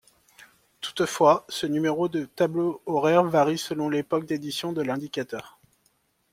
Toutefois ce numéro de tableau horaire varie selon l'époque d'édition de l'indicateur.